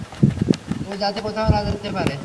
ও যাতে কোথাও না যেতে পারে।